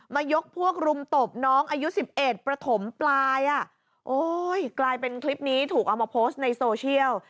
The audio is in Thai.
ยกพวกรุมตบน้องอายุสิบเอ็ดประถมปลายอ่ะโอ้ยกลายเป็นคลิปนี้ถูกเอามาโพสต์ในโซเชียล